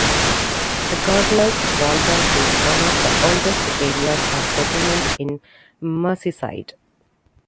Regardless, Walton is one of the oldest areas of settlement in Merseyside.